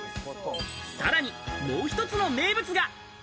さらに、もう１つの名物が。